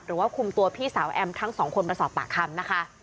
หรือว่าคุมตัวพี่สาวแอมทั้งสองคนมาสอบปากคำนะคะ